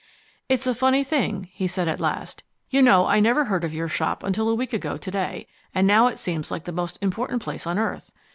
"It's a funny thing," he said at last. "You know I never heard of your shop until a week ago to day, and now it seems like the most important place on earth.